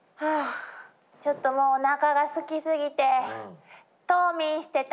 ちょっともうおなかがすきすぎて冬眠してた。